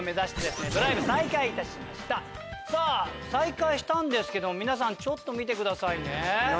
再開したんですけども皆さんちょっと見てくださいね。